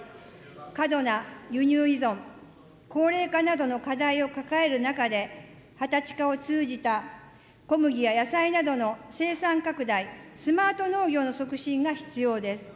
過度な輸入依存、高齢化などの課題を抱える中で、畑地化を通じた小麦や野菜などの生産拡大、スマート農業の促進が必要です。